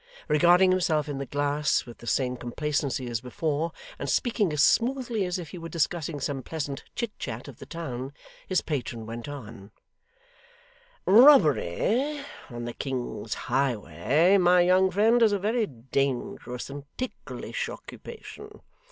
Regarding himself in the glass with the same complacency as before, and speaking as smoothly as if he were discussing some pleasant chit chat of the town, his patron went on: 'Robbery on the king's highway, my young friend, is a very dangerous and ticklish occupation.